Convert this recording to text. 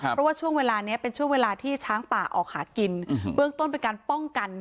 เพราะว่าช่วงเวลานี้เป็นช่วงเวลาที่ช้างป่าออกหากินเบื้องต้นเป็นการป้องกัน